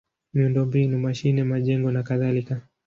miundombinu: mashine, majengo nakadhalika.